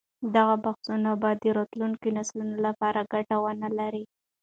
دغه بحثونه به د راتلونکي نسل لپاره ګټه ونه لري.